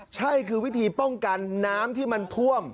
ใช่คือวิธีป้องกันน้ำที่มันท่วม